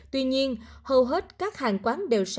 tuy nhiên hầu hết các hàng quán đều doanh thu